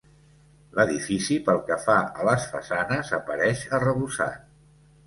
L'edifici pel que fa a les façanes, apareix arrebossat.